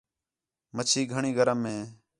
مچھی گھݨی گرم ہے